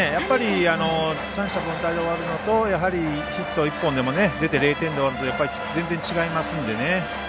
三者凡退で終わるのとヒット１本でも出て０点で終わるのとでは全然、違いますのでね。